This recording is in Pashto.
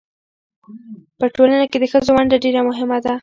په ټولنه کې د ښځو ونډه ډېره مهمه ده.